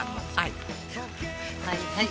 はいはい。